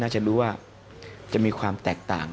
จะรู้ว่าจะมีความแตกต่าง